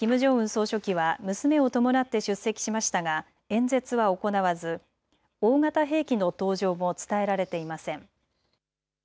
総書記は娘を伴って出席しましたが演説は行わず大型兵器の登場も伝えられていません。